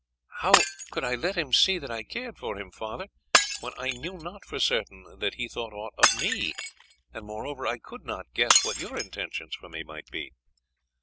"How could I let him see that I cared for him, father, when I knew not for certain that he thought aught of me, and moreover, I could not guess what your intentions for me might be."